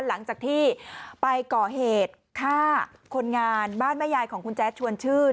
หลังจากที่ไปก่อเหตุฆ่าคนงานบ้านแม่ยายของคุณแจ๊ดชวนชื่น